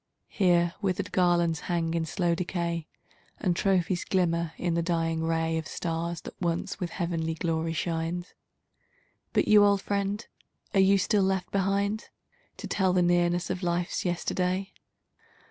Here, withered garlands hang in slow decay. And trophies glimmer in the dying ray Of stars that once with heavenly glory shined. 280 THE FALLEN But you, old friend, are you still left behind To tell the nearness of life's yesterday?